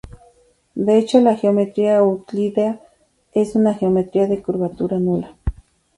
De hecho la geometría euclídea es una geometría de curvatura nula.